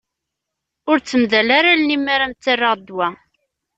Ur ttamdal ara allen-im mi ara m-ttarraɣ ddwa.